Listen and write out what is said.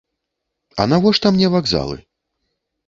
А навошта мне вакзалы?